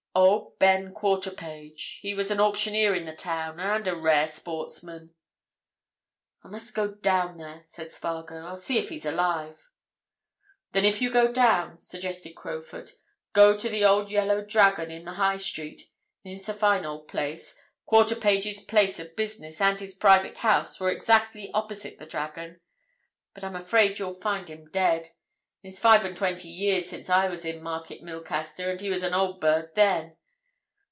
Old Ben Quarterpage, he was an auctioneer in the town, and a rare sportsman." "I may go down there," said Spargo. "I'll see if he's alive." "Then, if you do go down," suggested Crowfoot, "go to the old 'Yellow Dragon' in the High Street, a fine old place. Quarterpage's place of business and his private house were exactly opposite the 'Dragon.' But I'm afraid you'll find him dead—it's five and twenty years since I was in Market Milcaster, and he was an old bird then.